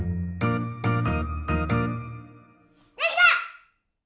できた！